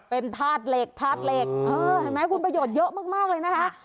เป็นภาษาเหล็กภาษาเหล็กคุณประโยชน์เยอะมากเลยนะฮะ